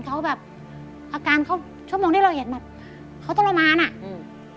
พี่ปัดนะเราบางทีไปเจอเคสที่เขานัก